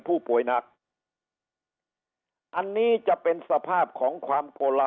ผู้ป่วยหนักอันนี้จะเป็นสภาพของความโกละ